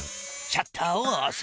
シャッターをおす。